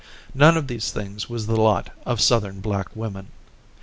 None of these things was the lot of Southern black women.